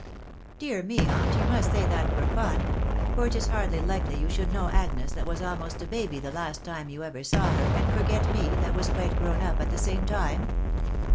" Dear me, aunt, you must say that; for fun, .... for it is hardly likely you should know Agnes, that was almost a baby the last time you ever saw her, and forget me, that waffqwle grown ap at that same time."